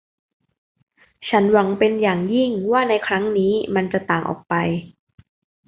ฉันหวังเป็นอย่างยิ่งว่าในครั้งนี้มันจะต่างออกไป